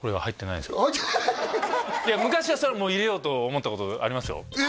いや昔はそりゃもう入れようと思ったことありますよえ